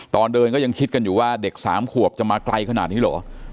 ตอนเดินก็ยังคิดกันอยู่ว่าเด็ก๓ขวบจะมาไกลขนาดนี้เหรอ